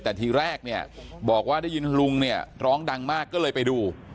แต่ทีแรกเนี่ยบอกว่าได้ยินลุงเนี่ยร้องดังมากก็เลยไปดู